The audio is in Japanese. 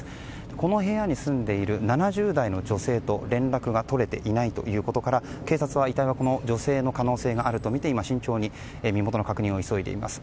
この部屋に住んでいる７０代の女性と連絡が取れていないことから警察は遺体はこの女性の可能性があるとみて今、慎重に身元の確認を急いでいます。